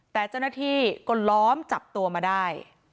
แต่เจ้าหน้าที่ก็ล้อมจับตัวมาได้